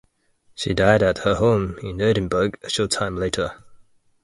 She died at her home in Edinburgh a short time later.